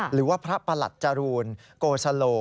หรือว่าพระประหลัดจรูนโกสโล